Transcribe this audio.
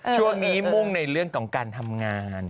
ช่วงนี้มุ่งในเรื่องของการทำงาน